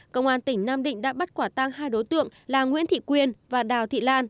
công an tỉnh nam định đã bắt quả tăng hai đối tượng là nguyễn thị quyên và đào thị lan